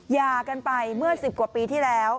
ยากันไปเมื่อ๑๐กว่าปีที่แล้ว